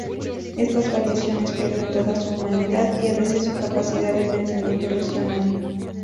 Estas variaciones pierden toda su humanidad, y a veces su capacidad de pensamiento racional.